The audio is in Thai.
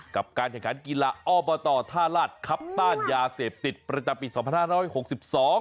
กับการแข่งขันกีฬาอ้อบต่อท่าลาศคัปต้านยาเสพติดประจำปี๒๕๖๒